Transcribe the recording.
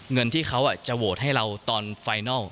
เงินที่เขาจะโหวตให้เราตอนไฟนัล